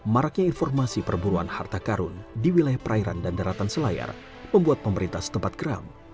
maraknya informasi perburuan harta karun di wilayah perairan dan daratan selayar membuat pemerintah setempat geram